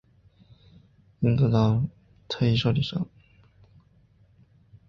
生长因子结合到靶细胞表面的特异受体上。